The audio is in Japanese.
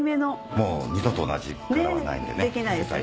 もう二度と同じ柄はないんでね